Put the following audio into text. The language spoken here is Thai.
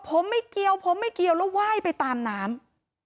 ผมไม่เกี่ยวผมไม่เกี่ยวแล้วไหว้ไปตามน้ำ